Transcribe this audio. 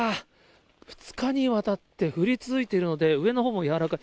２日にわたって降り続いているので、上のほうも柔らかい。